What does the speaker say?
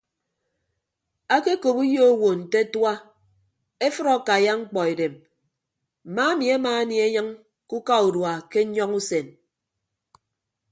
Ake okop uyo owo nte atua efʌd akaiya mkpọ edem mma ami ama anie enyịñ ke uka urua ke nyọñọ usen.